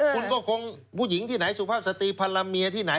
คุณก็คงผู้หญิงที่ไหนสุภาพสตรีพันรเมียที่ไหน